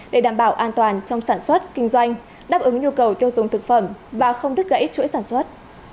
để đảm bảo an toàn trong sản xuất kinh doanh đáp ứng nhu cầu tiêu dùng thực phẩm và không đứt gãy chuỗi sản xuất